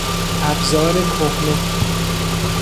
ابزار کهنه